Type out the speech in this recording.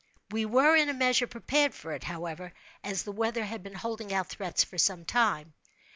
We were, in a measure, prepared for it, however, as the weather had been holding out threats for some time.